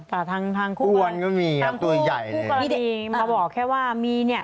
แต่ทั้งคู่ก็มีทั้งคู่ก็มีมาบอกแค่ว่ามีเนี่ย